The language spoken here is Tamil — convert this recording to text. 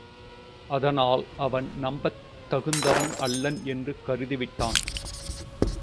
அதனால் அவன் நம்பத் தகுந்தவன் அல்லன் என்று கருதிவிட்டான்.